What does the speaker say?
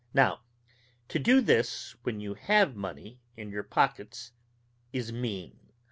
Now, to do this when you have money in your pockets is mean.